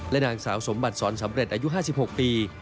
นางสาวสมบัติสอนสำเร็จอายุ๕๖ปี